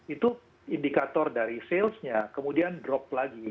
itu indikator dari sales nya kemudian drop lagi